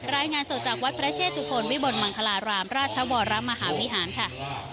รายงานสดจากวัดพระเชตุพลวิบลมังคลารามราชวรมหาวิหารค่ะ